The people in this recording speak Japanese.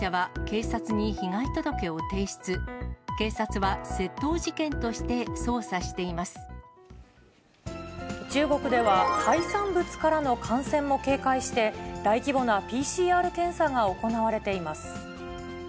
警察は窃盗事件として捜査してい中国では海産物からの感染も警戒して、大規模なＰＣＲ検査が行われています。